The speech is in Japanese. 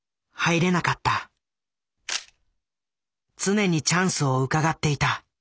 常にチャンスをうかがっていた。